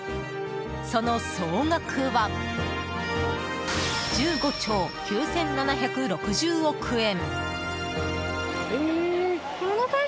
その総額は１５兆９７６０億円。